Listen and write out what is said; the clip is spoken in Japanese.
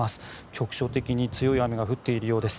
局所的に強い雨が降っているようです。